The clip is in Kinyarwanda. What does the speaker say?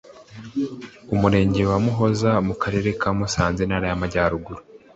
umurenge wa muhoza mu karere ka musanze intara yamajyaruguru